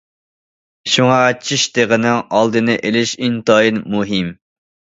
شۇڭا، چىش دېغىنىڭ ئالدىنى ئېلىش ئىنتايىن مۇھىم.